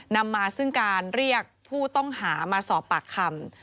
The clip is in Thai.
นำมาซึ่งการเรียกผู้ต้องหามาสอบปากคำ